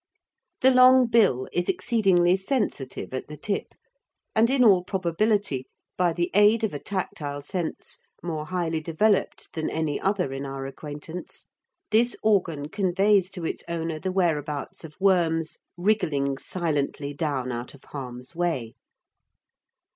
The long bill is exceedingly sensitive at the tip, and in all probability, by the aid of a tactile sense more highly developed than any other in our acquaintance, this organ conveys to its owner the whereabouts of worms wriggling silently down out of harm's way.